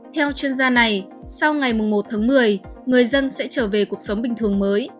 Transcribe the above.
theo chuyên gia này sau ngày một tháng một mươi người dân sẽ trở về cuộc sống bình thường mới